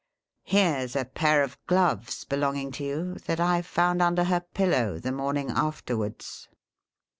' Here 's a pair of gloves belonging to you, that I found under her pillow the morning afterwards